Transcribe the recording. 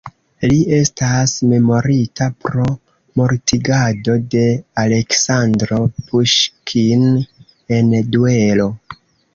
Li estas memorita pro mortigado de Aleksandro Puŝkin en duelo.